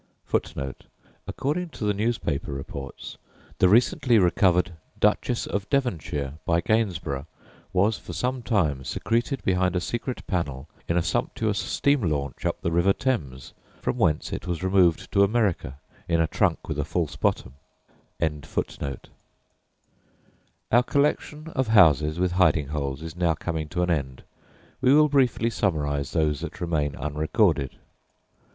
[Footnote 1: According to the newspaper reports, the recently recovered "Duchess of Devonshire," by Gainsborough, was for some time secreted behind a secret panel in a sumptuous steam launch up the river Thames, from whence it was removed to America in a trunk with a false bottom.] Our collection of houses with hiding holes is now coming to an end. We will briefly summarise those that remain unrecorded.